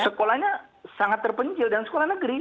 sekolahnya sangat terpencil dan sekolah negeri